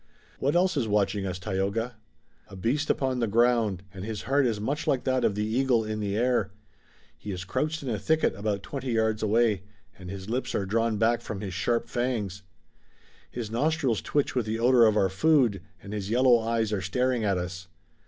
"What else is watching us, Tayoga?" "A beast upon the ground, and his heart is much like that of the eagle in the air. He is crouched in a thicket about twenty yards away, and his lips are drawn back from his sharp fangs. His nostrils twitch with the odor of our food, and his yellow eyes are staring at us.